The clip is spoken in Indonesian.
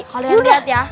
kalian liat ya